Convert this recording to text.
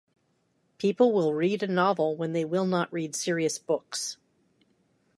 People will read a novel when they will not read serious books.